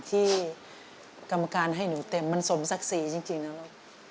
กรรมการให้หนูเต็มมันสมศักดิ์ศรีจริงนะลูก